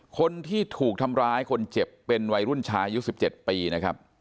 คนที่ถูกทำร้ายคนเจ็บเป็นวัยรุ่นชายุ๑๗ปีนะครับ